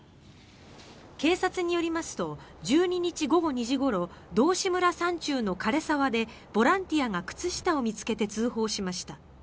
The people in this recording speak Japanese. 警察によりますと１２日午後２時ごろ道志村山中の枯れ沢でボランティアが靴下を見つけて通報しました。